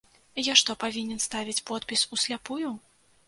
Я што, павінен ставіць подпіс усляпую?